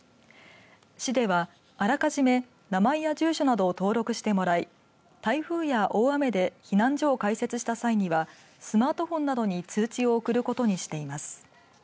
市では、あらかじめ名前や住所などを登録してもらい台風や大雨で避難所を開設した際にはスマートフォンなどに通知を送ることにしています。